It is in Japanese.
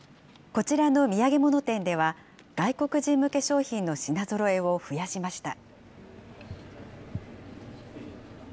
こちらの土産物店では、外国人向け商品の品ぞろえを増やしました。